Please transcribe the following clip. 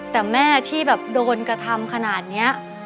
แต่แม่ที่แบบโดนกระทำขนาดนี้